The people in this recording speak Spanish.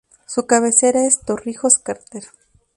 Su cabecera es Torrijos-Carter.